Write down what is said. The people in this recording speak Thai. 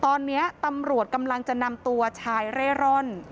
ตอนนี้ตำรวจกำลังจะนำตัวชายเร่ร่อน